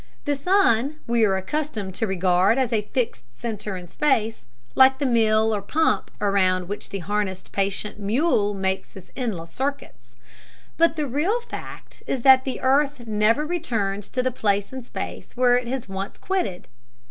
The sun we are accustomed to regard as a fixed center in space, like the mill or pump around which the harnessed patient mule makes his endless circuits. But the real fact is that the earth never returns to the place in space where it has once quitted.